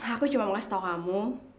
aku cuma mau kasih tau kamu